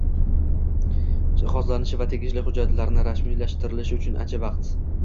jihozlashi va tegishli xujjatlarni rasmiylashtirishi uchun ancha vaqt